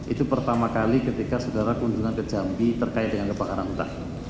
itu pertama kali ketika saudara keuntungan ke jambi terkait dengan bapak aramuta